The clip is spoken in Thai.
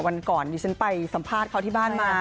วันก่อนดิฉันไปสัมภาษณ์เขาที่บ้านมา